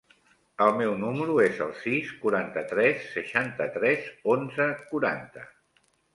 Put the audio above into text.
El meu número es el sis, quaranta-tres, seixanta-tres, onze, quaranta.